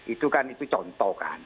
itu kan contoh kan